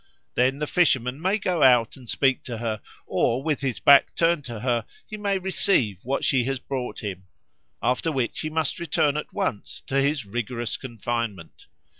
Then the fisherman may go out and speak to her, or with his back turned to her he may receive what she has brought him; after which he must return at once to his rigorous confinement.